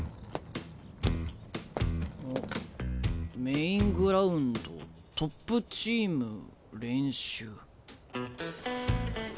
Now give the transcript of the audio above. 「メイングラウンドトップチーム練習」。